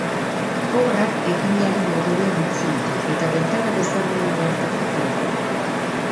Obrak egilearen memoriak biltzen ditu eta gertaera desberdinen arteko loturak.